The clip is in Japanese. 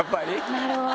なるほど。